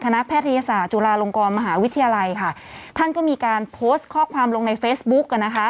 แพทยศาสตร์จุฬาลงกรมหาวิทยาลัยค่ะท่านก็มีการโพสต์ข้อความลงในเฟซบุ๊กอ่ะนะคะ